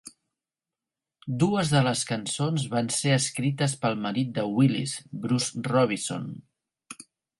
Dues de les cançons van ser escrites pel marit de Willis, Bruce Robison.